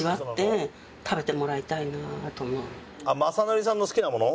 雅紀さんの好きなもの？